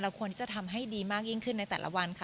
ควรจะทำให้ดีมากยิ่งขึ้นในแต่ละวันค่ะ